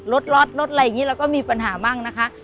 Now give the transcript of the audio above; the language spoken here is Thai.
รถล็อตรถอะไรอย่างนี้เราก็มีปัญหาบ้างนะคะ